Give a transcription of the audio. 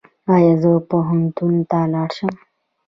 ایا زه پوهنتون ته لاړ شم؟